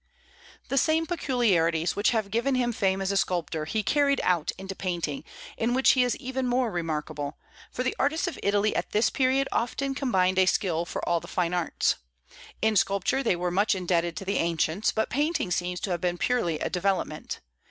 The same peculiarities which have given him fame as a sculptor he carried out into painting, in which he is even more remarkable; for the artists of Italy at this period often combined a skill for all the fine arts. In sculpture they were much indebted to the ancients, but painting seems to have been purely a development.